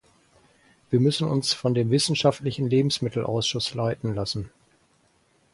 Wir müssen uns von dem wissenschaftlichen Lebensmittelausschuss leiten lassen.